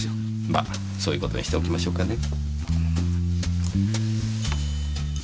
まそういう事にしておきましょうかね。